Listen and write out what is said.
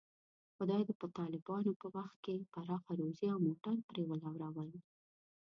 خدای په طالبانو په وخت کې پراخه روزي او موټر پرې ولورول.